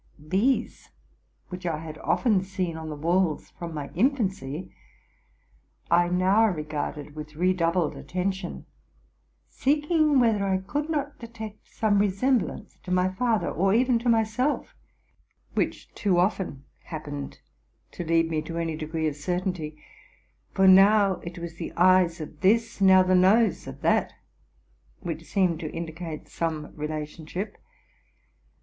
RELATING TO MY LIFE. 59 These, which I had often seen on the walls from my infaney, I now regarded with redoubled attention ; seeking whether I could not detect some resemblance to my f father or even to myself, which too often happened to lead me to any degree of certainty. For now it was the eyes of this, now the nose of that, which seemed to indicate some relationship.